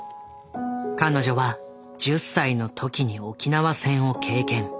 彼女は１０歳のときに沖縄戦を経験。